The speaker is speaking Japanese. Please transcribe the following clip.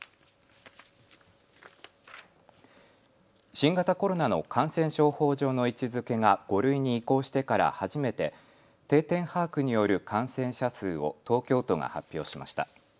新型コロナの感染症法上の位置づけが５類に移行してから初めて定点把握による感染者数を東京都が発表しました。